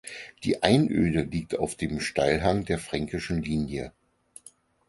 Die Einöde liegt auf dem Steilhang der Fränkischen Linie.